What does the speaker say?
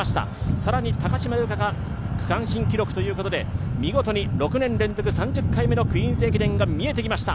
更に、高島由香が区間新記録ということで、見事に６年連続３０回目の「クイーンズ駅伝」が見えてきました。